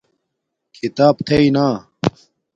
کھیتاپ تھݵنا